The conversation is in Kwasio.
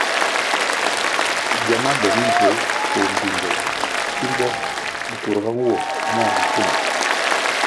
Giama be mimbvuer koh mbpindoh simbo nkurga nwo mua na pfuna.